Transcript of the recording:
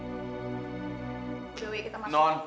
udah wih kita masuk